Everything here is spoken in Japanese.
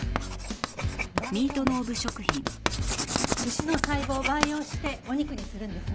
牛の細胞を培養してお肉にするんですね。